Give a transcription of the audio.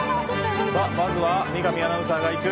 まずは三上アナウンサーが行く。